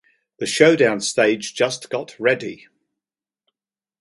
The showdown stage just got ready!